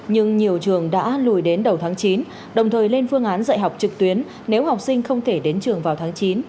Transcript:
nhưng nhiều trường đã lùi đến đầu tháng chín đồng thời lên phương án dạy học trực tuyến nếu học sinh không thể đến trường vào tháng chín